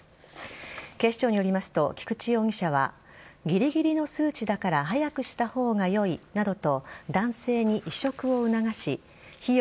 警視庁によりますと菊池容疑者はぎりぎりの数値だから早くした方がよいなどと男性に移植を促し費用